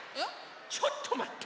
ちょっとまって！